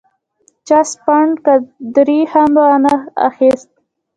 چا سپڼ قدرې هم وانه اخیست.